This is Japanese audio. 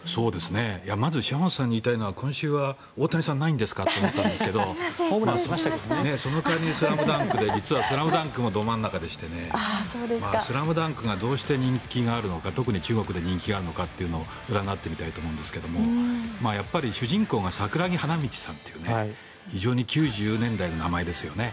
まず島本さんに言いたいのは今週は大谷さんないんですか？と言いたいんですがその代わりに「ＳＬＡＭＤＵＮＫ」で実は「ＳＬＡＭＤＵＮＫ」もど真ん中でしてね「ＳＬＡＭＤＵＮＫ」がどうして人気があるのか特に中国で人気があるのかというのを占ってみたいと思うんですがやっぱり主人公が桜木花道さんという非常に９０年代の名前ですよね。